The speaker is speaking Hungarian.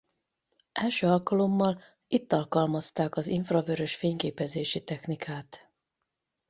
Első alkalommal itt alkalmazták az infravörös fényképezési technikát.